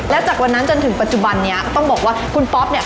และจากวันนั้นจนถึงปัจจุบันนี้ก็ต้องบอกว่าคุณป๊อปเนี่ย